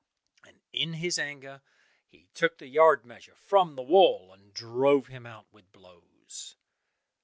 and in his anger he took the yard measure from the wall, and drove him out with blows.